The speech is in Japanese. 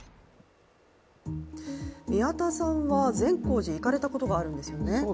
宮田さんは、善光寺行かれたことがあるんですよね？